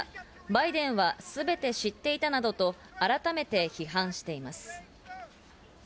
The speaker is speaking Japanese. バイデンはすべて知っていたなどと改めて批判しています。